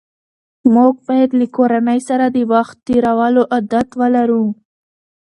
موږ باید له کورنۍ سره د وخت تېرولو عادت ولرو